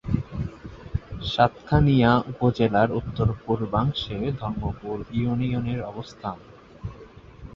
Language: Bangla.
সাতকানিয়া উপজেলার উত্তর-পূর্বাংশে ধর্মপুর ইউনিয়নের অবস্থান।